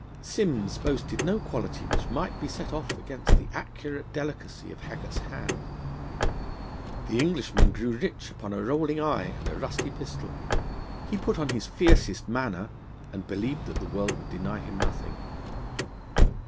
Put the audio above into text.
Simms boasted no quality which might be set off against the accurate delicacy of Haggart's hand. The Englishman grew rich upon a rolling eye and a rusty pistol. He put on his 'fiercest manner,' and believed that the world would deny him nothing.